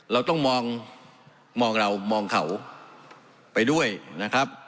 เราต้องมองเรามองเขาไปด้วยนะครับ